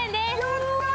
やった！